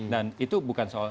dan itu bukan soal